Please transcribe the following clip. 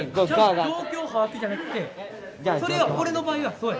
状況把握じゃなくてそれは俺の場合はそうやで。